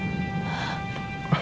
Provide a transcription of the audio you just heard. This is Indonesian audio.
itu semua sakitnya luar biasa buat adin